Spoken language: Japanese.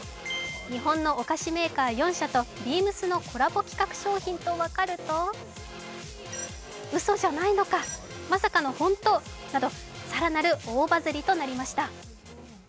日本のお菓子メーカー４社とＢＥＡＭＳのコラボ賞品と分かるとうそじゃないのか、まさかの本当など更なる大バズりとなりました。